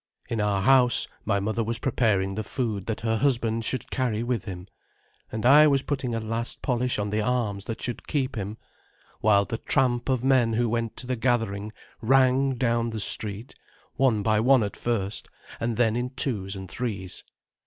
In our house my mother was preparing the food that her husband should carry with him, and I was putting a last polish on the arms that should keep him, while the tramp of men who went to the gathering rang down the street, one by one at first, and then in twos and threes.